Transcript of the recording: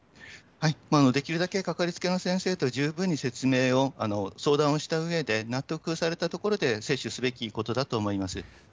できるだけ掛かりつけの先生と十分に説明を、相談をしたうえで、納得されたところで接種すべきことだと思います。